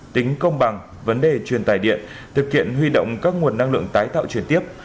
tính công bằng vấn đề truyền tài điện thực hiện huy động các nguồn năng lượng tái tạo chuyển tiếp